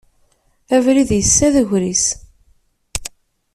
Abrid yessa d agris.